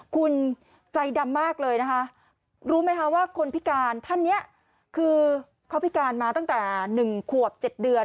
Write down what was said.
คุณใจดำมากเลยนะคะรู้ไหมคะว่าคนพิการท่านนี้คือเขาพิการมาตั้งแต่๑ขวบ๗เดือน